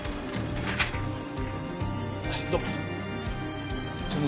どうも。